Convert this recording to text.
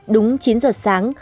đúng chín giờ sáng